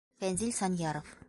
Фәнзил САНЪЯРОВ: